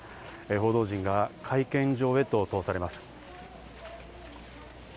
報道陣が会見場へと通されます。